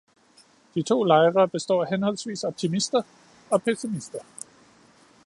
De to lejre består af henholdsvis optimister og pessimister.